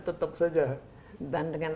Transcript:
tetap saja dan dengan